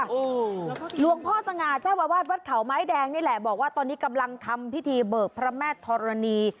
โอ้โหหลวงพ่อสง่าเจ้าอาวาสวัดเขาไม้แดงนี่แหละบอกว่าตอนนี้กำลังทำพิธีเบิกพระแม่ธรณี